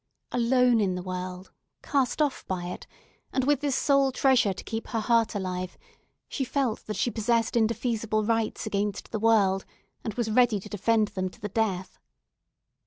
Alone in the world, cast off by it, and with this sole treasure to keep her heart alive, she felt that she possessed indefeasible rights against the world, and was ready to defend them to the death.